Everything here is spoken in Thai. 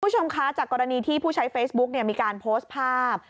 คุณผู้ชมคะจากกรณีที่ผู้ใช้เฟซบุ๊กมีการโพสต์ภาพ